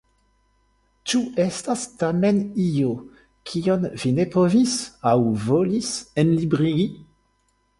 Ĉu estas tamen io kion vi ne povis aŭ volis enlibrigi?